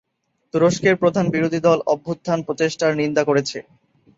তুরস্কের প্রধান বিরোধী দল অভ্যুত্থান প্রচেষ্টার নিন্দা করেছে।